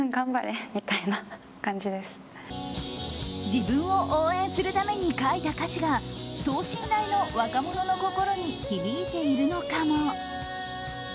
自分を応援するために書いた歌詞が等身大の若者の心に響いているのかも。